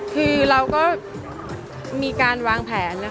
คือเราก็มีการวางแผน